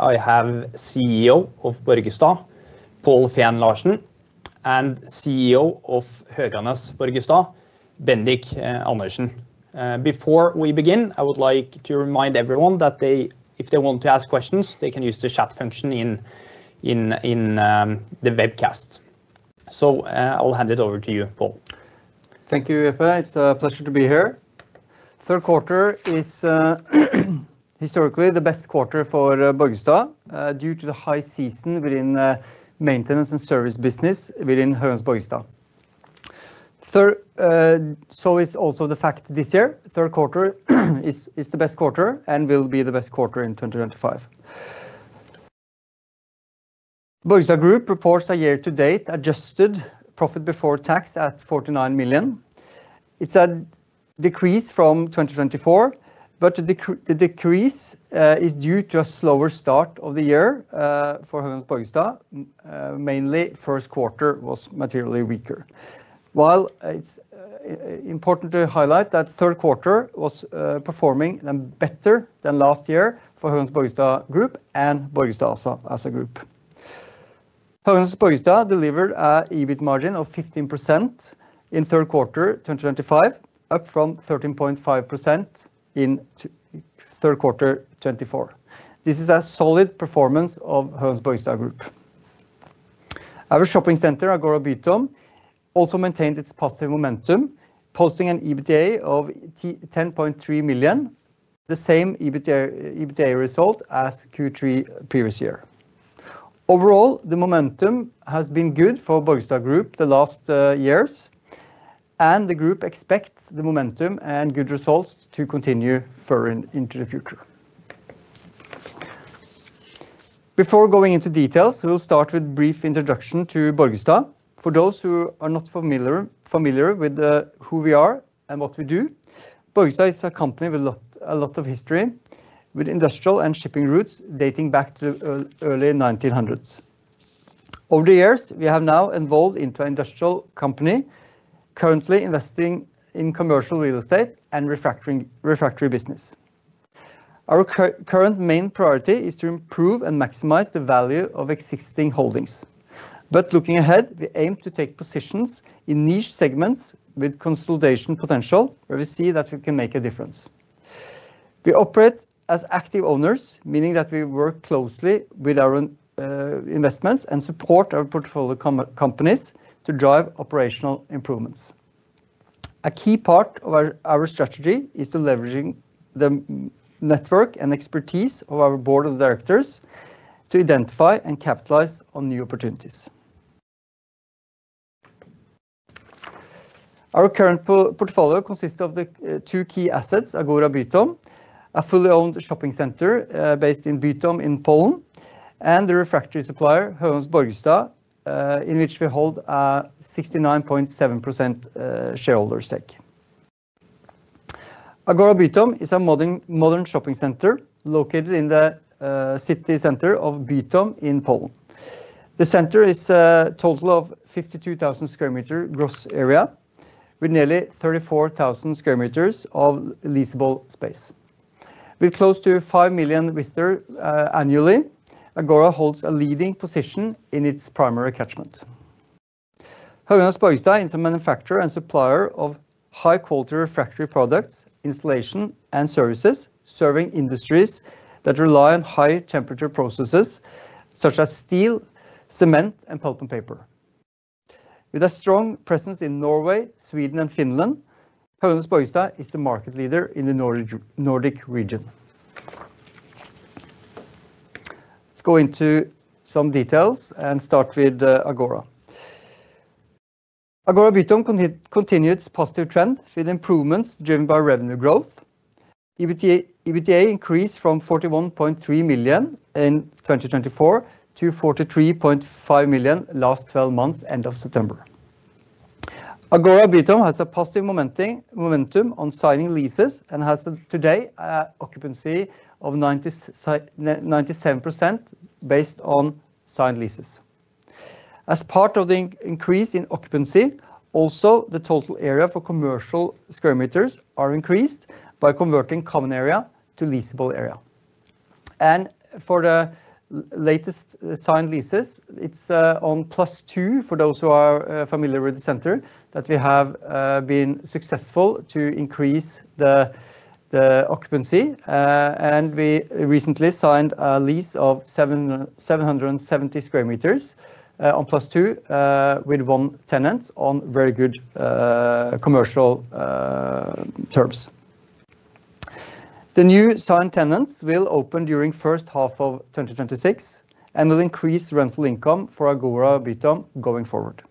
I have CEO of Borgestad ASA, Pål Feen Larsen, and CEO of Höganäs Borgestad, Bendik Persch Andersen. Before we begin, I would like to remind everyone that if they want to ask questions, they can use the chat function in the webcast. I'll hand it over to you, Pål. Thank you, Jeppe. It's a pleasure to be here. Third quarter is historically the best quarter for Borgestad due to the high season within maintenance and service business within Höganäs Borgestad. This is also the fact this year; third quarter is the best quarter and will be the best quarter in 2025. Borgestad Group reports a year-to-date adjusted profit before tax at 49 million. It's a decrease from 2024, but the decrease is due to a slower start of the year for Höganäs Borgestad. Mainly, first quarter was materially weaker. While it's important to highlight that third quarter was performing better than last year for Höganäs Borgestad Group and Borgestad ASA as a group. Höganäs Borgestad delivered an EBIT margin of 15% in third quarter 2025, up from 13.5% in third quarter 2024. This is a solid performance of Höganäs Borgestad Group. Our shopping center, Agora Bytom, also maintained its positive momentum, posting an EBITDA of 10.3 million, the same EBITDA result as Q3 previous year. Overall, the momentum has been good for Borgestad Group the last years, and the group expects the momentum and good results to continue further into the future. Before going into details, we'll start with a brief introduction to Borgestad. For those who are not familiar with who we are and what we do, Borgestad is a company with a lot of history, with industrial and shipping routes dating back to the early 1900s. Over the years, we have now evolved into an industrial company currently investing in commercial real estate and Refractory business. Our current main priority is to improve and maximize the value of existing holdings. Looking ahead, we aim to take positions in niche segments with consolidation potential where we see that we can make a difference. We operate as active owners, meaning that we work closely with our investments and support our portfolio companies to drive operational improvements. A key part of our strategy is to leverage the network and expertise of our Board of Directors to identify and capitalize on new opportunities. Our current portfolio consists of the two key assets, Agora Bytom, a fully owned shopping center based in Bytom in Poland, and the Refractory supplier, Höganäs Borgestad, in which we hold a 69.7% shareholder stake. Agora Bytom is a modern shopping center located in the city center of Bytom in Poland. The center is a total of 52,000 square meters gross area, with nearly 34,000 square meters of leasable space. With close to 5 million visitors annually, Agora Bytom holds a leading position in its primary catchment. Höganäs Borgestad is a manufacturer and supplier of high-quality Refractory products, installations, and services serving industries that rely on high-temperature processes such as steel, cement, and pulp and paper. With a strong presence in Norway, Sweden, and Finland, Höganäs Borgestad is the market leader in the Nordic region. Let's go into some details and start with Agora Bytom. Agora Bytom continued its positive trend with improvements driven by revenue growth. EBITDA increased from 41.3 million in 2024 to 43.5 million in the last 12 months end of September. Agora Bytom has a positive momentum on signing leases and has today an occupancy rate of 97% based on signed leases. As part of the increase in occupancy, the total area for commercial square meters is increased by converting common area to leasable area. For the latest signed leases, it's on plus two for those who are familiar with the center that we have been successful in increasing the occupancy. We recently signed a lease of 770 square meters on plus two with one tenant on very good commercial terms. The new signed tenants will open during the first half of 2026 and will increase rental income for Agora Bytom going forward.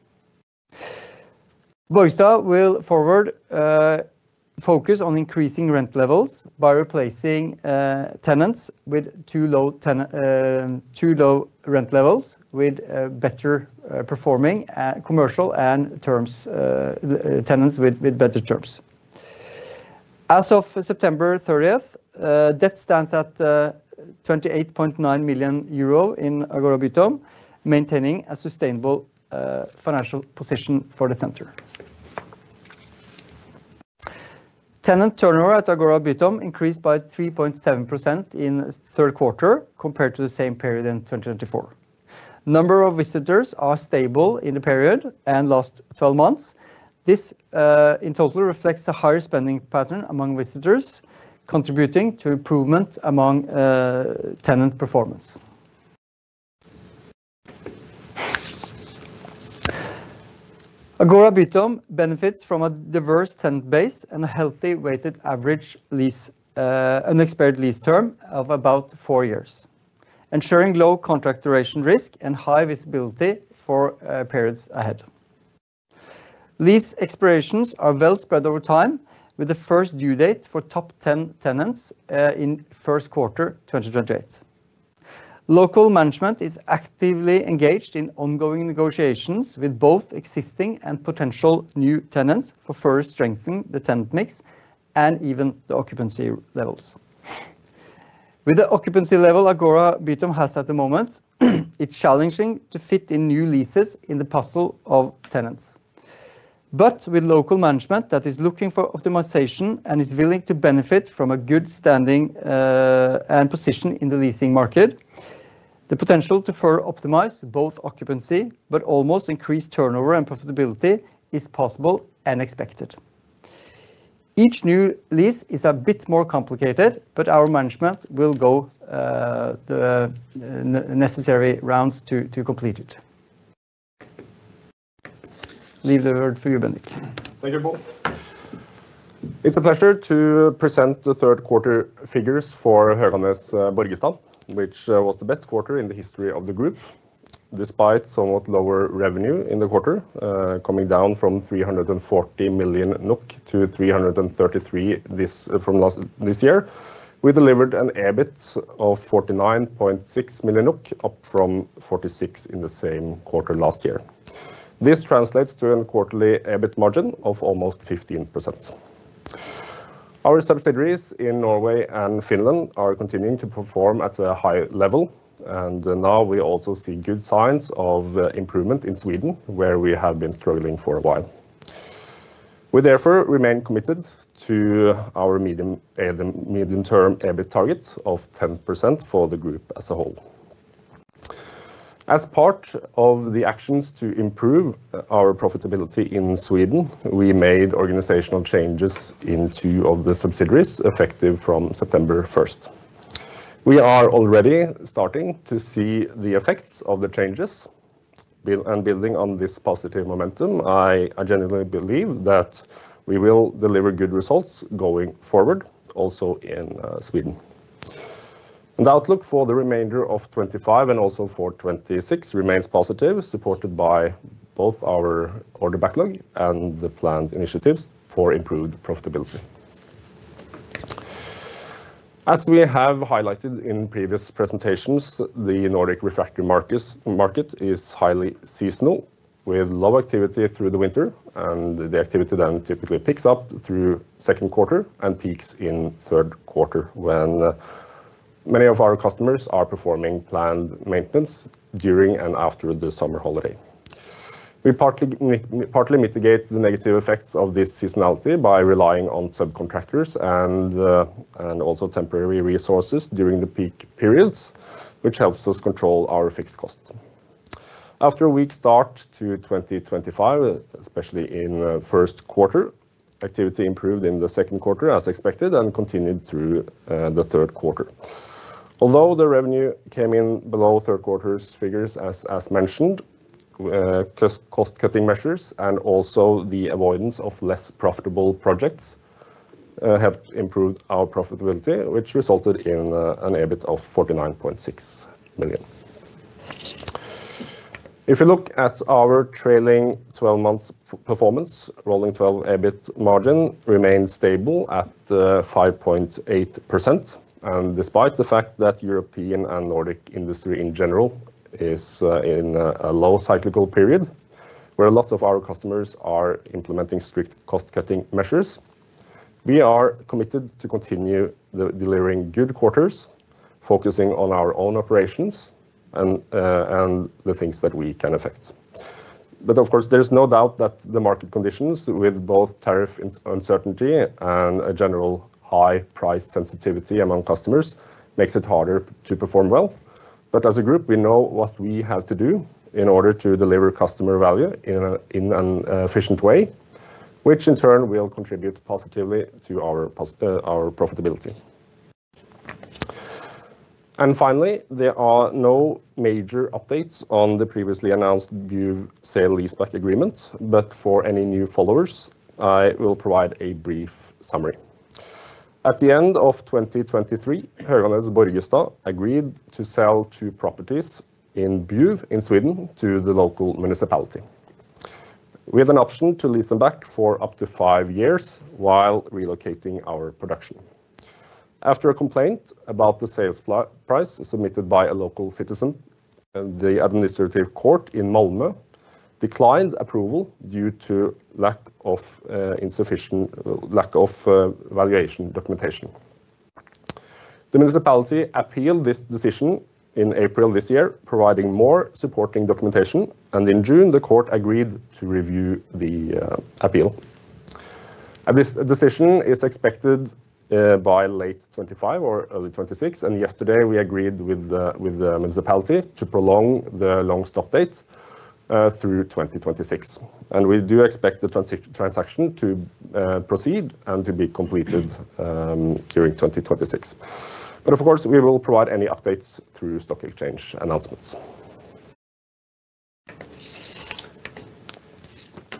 Borgestad will focus on increasing rent levels by replacing tenants with too low rent levels with better performing commercial tenants with better terms. As of September 30th, net debt stands at 28.9 million euro in Agora Bytom, maintaining a sustainable financial position for the center. Tenant turnover at Agora Bytom increased by 3.7% in the third quarter compared to the same period in 2024. The number of visitors is stable in the period and last 12 months. This in total reflects a higher spending pattern among visitors, contributing to improvement among tenant performance. Agora Bytom benefits from a diverse tenant base and a healthy weighted average lease expiry term of about four years, ensuring low contract duration risk and high visibility for periods ahead. Lease expirations are well spread over time, with the first due date for top 10 tenants in the first quarter 2028. Local management is actively engaged in ongoing negotiations with both existing and potential new tenants for further strengthening the tenant mix and even the occupancy levels. With the occupancy level Agora Bytom has at the moment, it's challenging to fit in new leases in the puzzle of tenants. With local management that is looking for optimization and is willing to benefit from a good standing and position in the leasing market, the potential to further optimize both occupancy but almost increase turnover and profitability is possible and expected. Each new lease is a bit more complicated, but our management will go the necessary rounds to complete it. Leave the word for you, Bendik. Thank you, Pål. It's a pleasure to present the third quarter figures for Höganäs Borgestad, which was the best quarter in the history of the group. Despite somewhat lower revenue in the quarter, coming down from 340 million NOK to 333 million this year, we delivered an EBIT of 49.6 million NOK, up from 46 million in the same quarter last year. This translates to a quarterly EBIT margin of almost 15%. Our subsidiaries in Norway and Finland are continuing to perform at a high level, and now we also see good signs of improvement in Sweden, where we have been struggling for a while. We therefore remain committed to our medium-term EBIT target of 10% for the group as a whole. As part of the actions to improve our profitability in Sweden, we made organizational changes in two of the subsidiaries effective from September 1. We are already starting to see the effects of the changes. Building on this positive momentum, I genuinely believe that we will deliver good results going forward, also in Sweden. The outlook for the remainder of 2025 and also for 2026 remains positive, supported by both our order backlog and the planned initiatives for improved profitability. As we have highlighted in previous presentations, the Nordic Refractory market is highly seasonal, with low activity through the winter, and the activity then typically picks up through the second quarter and peaks in the third quarter when many of our customers are performing planned maintenance during and after the summer holiday. We partly mitigate the negative effects of this seasonality by relying on subcontractors and also temporary resources during the peak periods, which helps us control our fixed costs. After a weak start to 2025, especially in the first quarter, activity improved in the second quarter as expected and continued through the third quarter. Although the revenue came in below third quarter figures as mentioned, cost-cutting measures and also the avoidance of less profitable projects helped improve our profitability, which resulted in an EBIT of 49.6 million. If we look at our trailing 12 months performance, rolling 12 EBIT margin remains stable at 5.8%. Despite the fact that European and Nordic industry in general is in a low cyclical period where a lot of our customers are implementing strict cost-cutting measures, we are committed to continue delivering good quarters, focusing on our own operations and the things that we can affect. Of course, there's no doubt that the market conditions with both tariff uncertainty and a general high price sensitivity among customers make it harder to perform well. As a group, we know what we have to do in order to deliver customer value in an efficient way, which in turn will contribute positively to our profitability. Finally, there are no major updates on the previously announced Buv sale and leaseback agreement, but for any new followers, I will provide a brief summary. At the end of 2023, Höganäs Borgestad agreed to sell two properties in Buv, Sweden to the local municipality, with an option to lease them back for up to five years while relocating our production. After a complaint about the sales price submitted by a local citizen, the administrative court in Malmö declined approval due to lack of valuation documentation. The municipality appealed this decision in April this year, providing more supporting documentation, and in June, the court agreed to review the appeal. This decision is expected by late 2025 or early 2026, and yesterday we agreed with the municipality to prolong the long stop date through 2026. We do expect the transaction to proceed and to be completed during 2026. Of course, we will provide any updates through stock exchange announcements.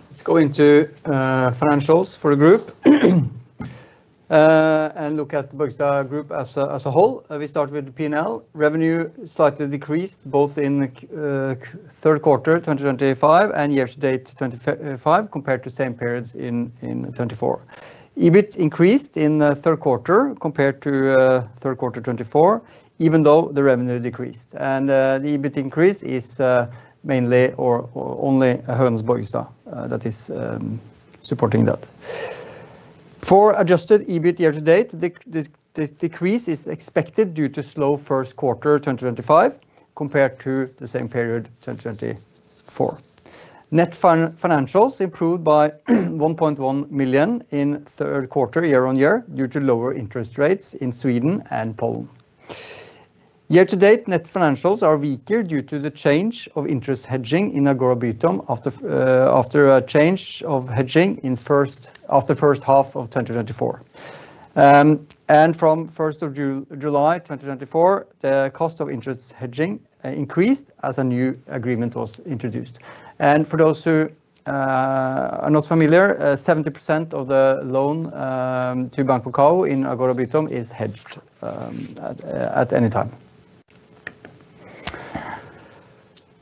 Let's go into financials for the group and look at the Borgestad Group as a whole. We start with the P&L. Revenue slightly decreased both in the third quarter 2025 and year-to-date 2025 compared to same periods in 2024. EBIT increased in the third quarter compared to third quarter 2024, even though the revenue decreased. The EBIT increase is mainly or only Höganäs Borgestad that is supporting that. For adjusted EBIT year-to-date, the decrease is expected due to slow first quarter 2025 compared to the same period 2024. Net financials improved by 1.1 million in third quarter year-on-year due to lower interest rates in Sweden and Poland. Year-to-date net financials are weaker due to the change of interest hedging in Agora Bytom after a change of hedging after the first half of 2024. From July 1, 2024, the cost of interest hedging increased as a new agreement was introduced. For those who are not familiar, 70% of the loan to Bank Pekao in Agora Bytom is hedged at any time.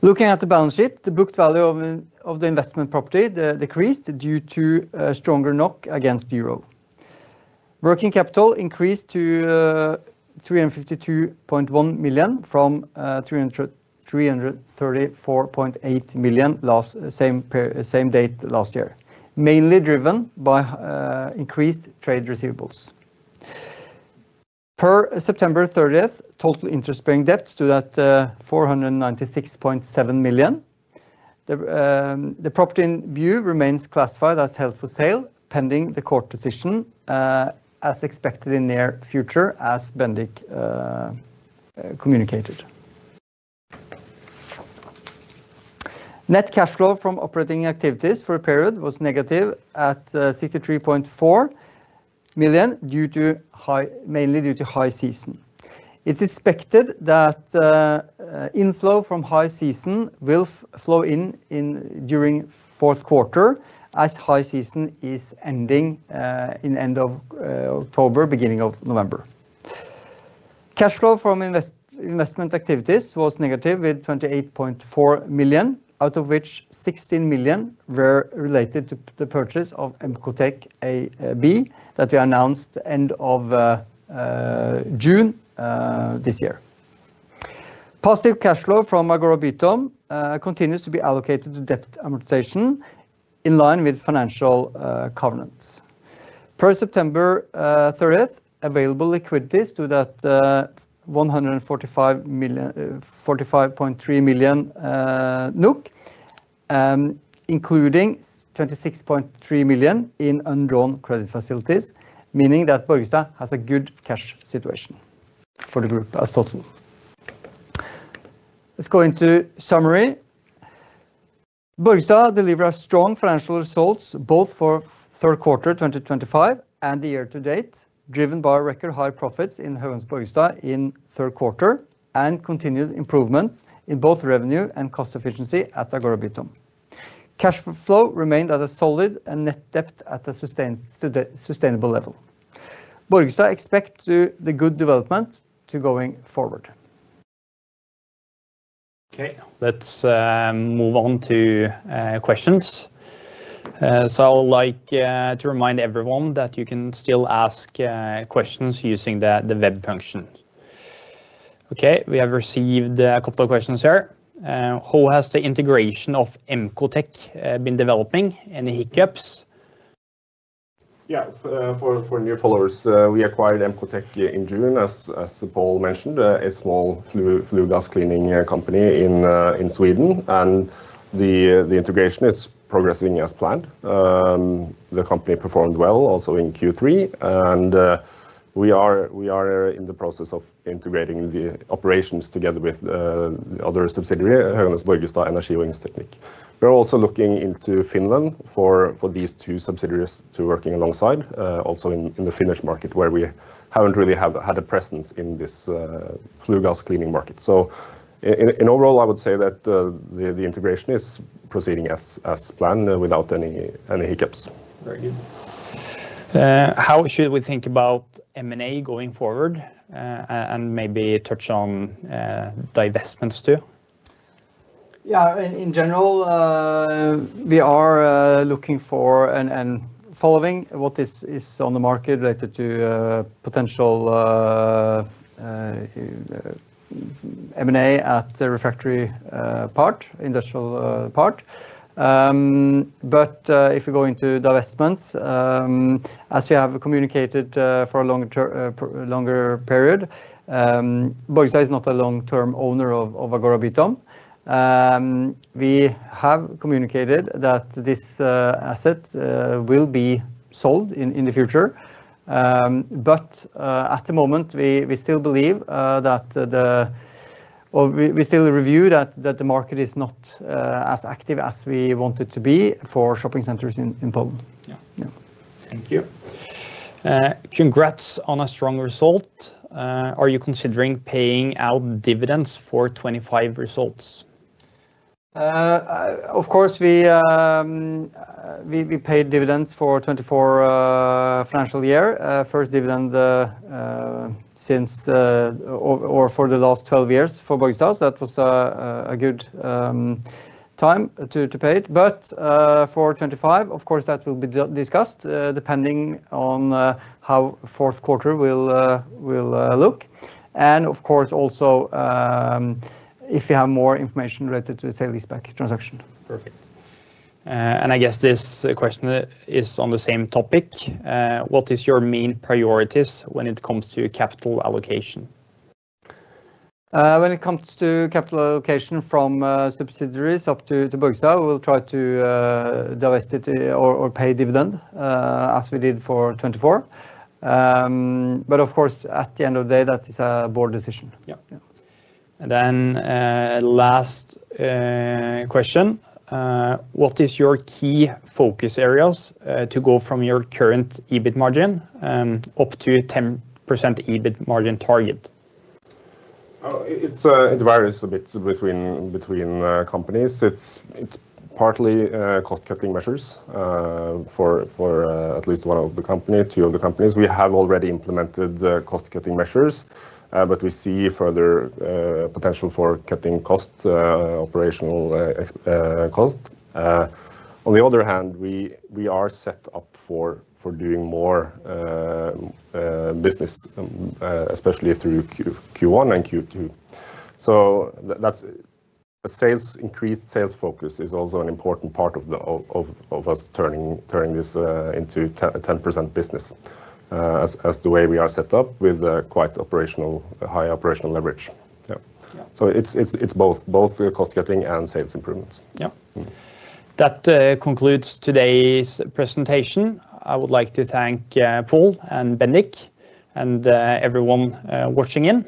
Looking at the balance sheet, the booked value of the investment property decreased due to stronger NOK against euro. Working capital increased to 352.1 million from 334.8 million same date last year, mainly driven by increased trade receivables. Per September 30, total interest-bearing debt stood at 496.7 million. The property in Buv, Sweden remains classified as held for sale, pending the court decision as expected in the near future, as Bendik communicated. Net cash flow from operating activities for the period was negative at 63.4 million mainly due to high season. It's expected that inflow from high season will flow in during fourth quarter as high season is ending in the end of October, beginning of November. Cash flow from investment activities was negative with 28.4 million, out of which 16 million were related to the purchase of Emcotech AB that we announced at the end of June this year. Positive cash flow from Agora Bytom continues to be allocated to debt amortization in line with financial covenants. Per September 30, available liquidity stood at 145.3 million, including 26.3 million in unowned credit facilities, meaning that Borgestad has a good cash situation for the group as total. Let's go into summary. Borgestad delivered strong financial results both for third quarter 2025 and the year-to-date, driven by record high profits in Höganäs Borgestad in third quarter and continued improvement in both revenue and cost efficiency at Agora Bytom. Cash flow remained at a solid and net debt at a sustainable level. Borgestad expects the good development going forward. Okay, let's move on to questions. I would like to remind everyone that you can still ask questions using the web function. We have received a couple of questions here. How has the integration of Emcotech AB been developing? Any hiccups? Yeah, for new followers, we acquired Emcotech AB in June, as Pål mentioned, a small flue gas cleaning company in Sweden, and the integration is progressing as planned. The company performed well also in Q3. We are in the process of integrating the operations together with the other subsidiary, Höganäs Borgestad Energi och Industri­teknik. We're also looking into Finland for these two subsidiaries to work alongside, also in the Finnish market where we haven't really had a presence in this flue gas cleaning market. Overall, I would say that the integration is proceeding as planned without any hiccups. Very good. How should we think about M&A going forward, and maybe touch on divestments too? Yeah, in general, we are looking for and following what is on the market related to potential M&A at the Refractory part, industrial part. If we go into divestments, as we have communicated for a longer period, Borgestad is not a long-term owner of Agora Bytom. We have communicated that this asset will be sold in the future. At the moment, we still believe that the market is not as active as we want it to be for shopping centers in Poland. Thank you. Congrats on a strong result. Are you considering paying out dividends for 2025 results? Of course, we paid dividends for 2024 financial year, first dividend since or for the last 12 years for Borgestad. That was a good time to pay it. For 2025, of course, that will be discussed depending on how fourth quarter will look. Of course, also if we have more information related to the sale and leaseback transaction. Perfect. I guess this question is on the same topic. What is your main priorities when it comes to capital allocation? When it comes to capital allocation from subsidiaries up to Borgestad, we'll try to divest it or pay dividend as we did for 2024. At the end of the day, that is a board decision. What is your key focus areas to go from your current EBIT margin up to 10% EBIT margin target? It varies a bit between companies. It's partly cost-cutting measures. For at least one of the companies, two of the companies, we have already implemented cost-cutting measures, but we see further potential for cutting cost, operational cost. On the other hand, we are set up for doing more business, especially through Q1 and Q2. That's a sales increase. Sales focus is also an important part of us turning this into 10% business, as the way we are set up with quite high operational leverage. Yeah. So it's both cost-cutting and sales improvements. Yeah. That concludes today's presentation. I would like to thank Pål and Bendik and everyone watching in.